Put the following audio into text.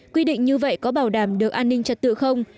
quy định như vậy có bảo đảm được an ninh trật tự không